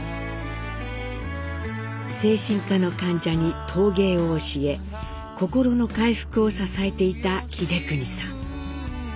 精神科の患者に陶芸を教え心の回復を支えていた英邦さん。